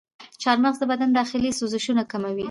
چارمغز د بدن داخلي سوزشونه کموي.